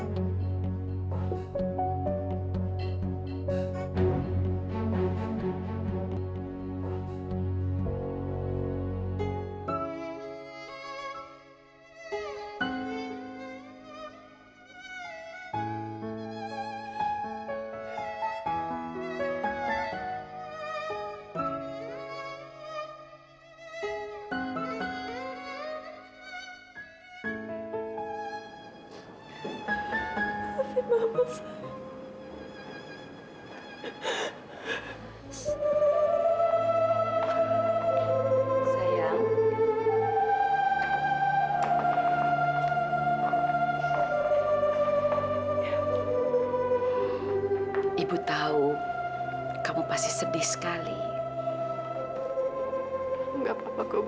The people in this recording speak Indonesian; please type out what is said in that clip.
saya berharap kamu akan berharap